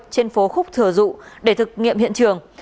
trên phố khúc thừa dụ để thực nghiệm hiện trường